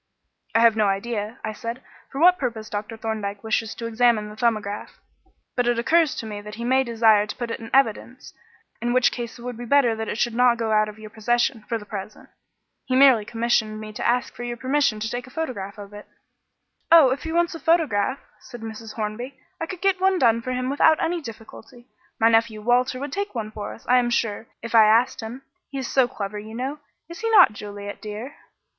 "I have no idea," I said, "for what purpose Dr. Thorndyke wishes to examine the 'Thumbograph,' but it occurs to me that he may desire to put it in evidence, in which case it would be better that it should not go out of your possession for the present. He merely commissioned me to ask for your permission to take a photograph of it." "Oh, if he wants a photograph," said Mrs. Hornby, "I could get one done for him without any difficulty. My nephew Walter would take one for us, I am sure, if I asked him. He is so clever, you know is he not, Juliet, dear?"